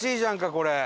これ。